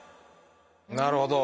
なるほど。